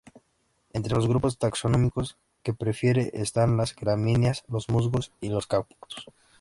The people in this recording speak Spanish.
Entre los grupos taxonómicos que prefiere están las gramíneas, los musgos, y los cactus.